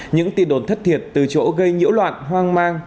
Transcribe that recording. những tin đồn thất thiệt từ chỗ gây nhiễu loạn hoang mang